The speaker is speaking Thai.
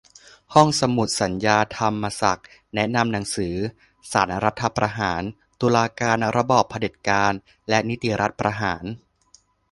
ห้องสมุดสัญญา ธรรมศักดิ์ แนะนำหนังสือ "ศาลรัฐประหาร : ตุลาการ ระบอบเผด็จการ และนิติรัฐประหาร"